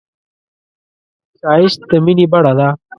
ښایست د مینې بڼه ده